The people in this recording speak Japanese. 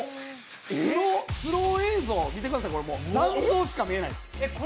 スロー映像、見てください、残像しか見れないです。